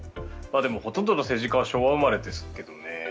ほとんどの政治家は昭和生まれですけどね。